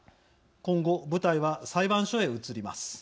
今後、舞台は裁判所へ移ります。